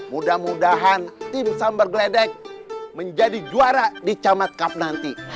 mudah mudahan tim sambar geledek menjadi juara di camat cup nanti